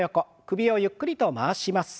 首をゆっくりと回します。